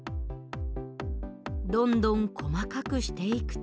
どんどん細かくしていくと。